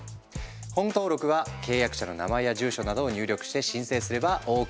本登録は契約者の名前や住所などを入力して申請すればＯＫ！